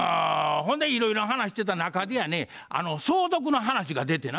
ほんでいろいろ話してた中でやね相続の話が出てな。